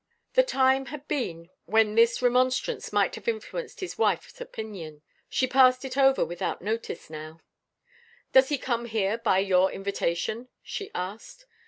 The time had been when this remonstrance might have influenced his wife's opinion. She passed it over without notice now. "Does he come here by your invitation?" she asked.